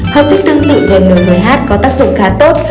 khẩu chất tương tự gnrh có tác dụng khá tốt